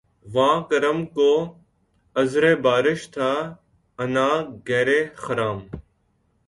واں کرم کو عذرِ بارش تھا عناں گیرِ خرام